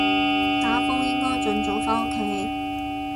打風應該盡早返屋企